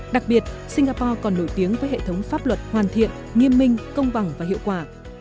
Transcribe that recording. đặc biệt singapore còn nổi tiếng với hệ thống pháp luật hoàn thiện nghiêm minh công bằng và hiệu quả